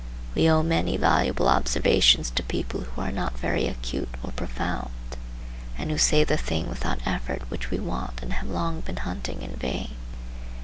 We owe many valuable observations to people who are not very acute or profound, and who say the thing without effort which we want and have long been hunting in vain.